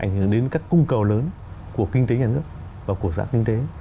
ảnh hưởng đến các cung cầu lớn của kinh tế nhà nước và của dạng kinh tế